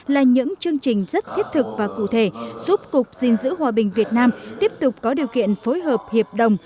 là những chương trình rất thiết thực và cụ thể giúp cục gìn giữ hòa bình việt nam tiếp tục có điều kiện phối hợp hiệp đồng